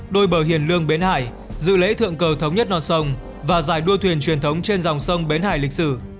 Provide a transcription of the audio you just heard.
đôi bờ hiền lương bến hải dự lễ thượng cờ thống nhất non sông và giải đua thuyền truyền thống trên dòng sông bến hải lịch sử